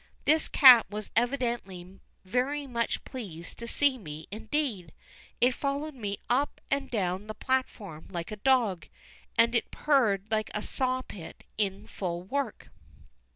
This cat was evidently very much pleased to see me indeed. It followed me up and down the platform like a dog, and it purred like a saw pit in full work.